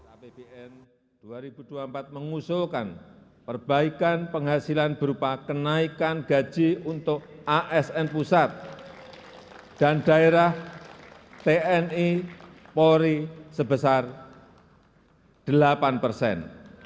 apbn dua ribu dua puluh empat mengusulkan perbaikan penghasilan berupa kenaikan gaji untuk asn pusat dan daerah tni polri sebesar delapan persen